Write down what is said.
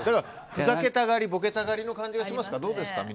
ふざけたがりボケたがりの感じがしますがどうですか？